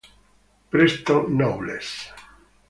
Preston Knowles